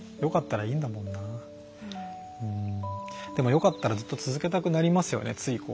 でも、よかったらずっと続けたくなりますよね。